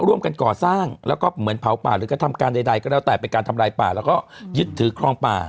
ร่วมกันก่อสร้างแล้วก็เหมือนเผาป่าหรือกระทำการใดก็แล้วแต่เป็นการทำลายป่าแล้วก็ยึดถือครองป่า